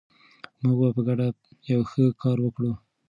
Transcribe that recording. موږ په ګډه یو ښه کار وکړ.